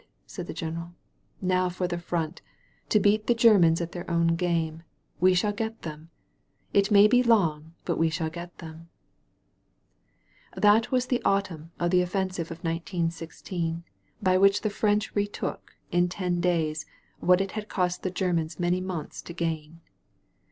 said the general. "Now for the front, to beat the Germans at their own game. We shall get them. It may be long, but we shall get them !" That was the autunm of the offensive of 1916, by which the French retook, in ten days, what it had cost the Germans many months to gain.